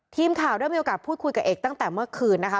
ทีมข่าวได้มีโอกาสพูดคุยกับเอกตั้งแต่เมื่อคืนนะคะ